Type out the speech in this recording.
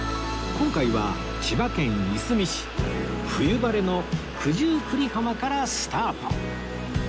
今回は千葉県いすみ市冬晴れの九十九里浜からスタート